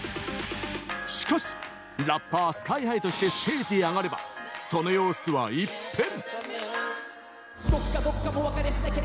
しかし、ラッパーＳＫＹ−ＨＩとしてステージへ上がればその様子は一変！